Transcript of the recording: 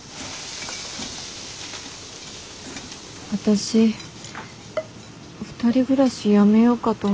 私２人暮らしやめようかと思って。